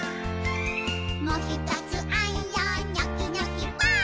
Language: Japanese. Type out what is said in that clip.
「もひとつあんよニョキニョキばぁ！」